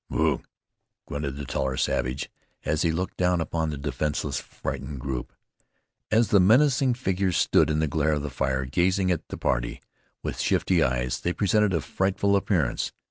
"Ugh!" grunted the taller savage, as he looked down upon the defenseless, frightened group. As the menacing figures stood in the glare of the fire gazing at the party with shifty eyes, they presented a frightful appearance.